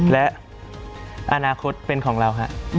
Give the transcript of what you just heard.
และอนาคตเป็นของเราครับ